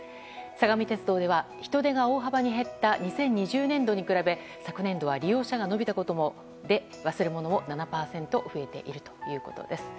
相模鉄道では人出が大幅に減った２０２０年度に比べ昨年度は、利用者が伸びたことで忘れ物も７％増えているということです。